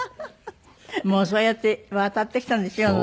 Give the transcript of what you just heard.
もうそうやって渡ってきたんでしょ世の中。